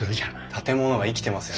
建物が生きてますよね。